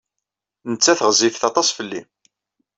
Nettat ɣezzifet aṭas fell-i.